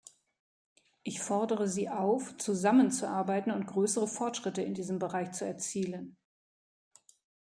Ich fordere sie auf, zusammenzuarbeiten und größere Fortschritte in diesem Bereich zu erzielen.